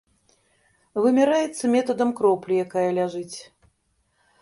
Вымяраецца метадам кроплі, якая ляжыць.